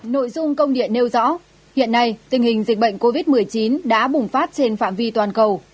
nội dung công điện nêu rõ hiện nay tình hình dịch bệnh covid một mươi chín đã bùng phát trên phạm vi toàn cầu